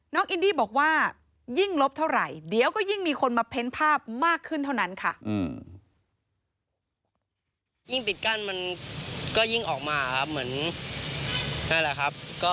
อินดี้บอกว่ายิ่งลบเท่าไหร่เดี๋ยวก็ยิ่งมีคนมาเพ้นภาพมากขึ้นเท่านั้นค่ะ